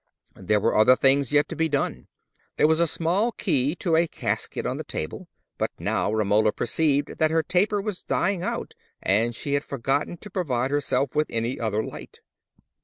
There were other things yet to be done. There was a small key in a casket on the table—but now Romola perceived that her taper was dying out, and she had forgotten to provide herself with any other light.